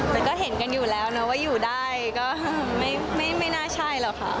แต่ก็เห็นกันอยู่แล้วนะว่าอยู่ได้ก็ไม่น่าใช่หรอกค่ะ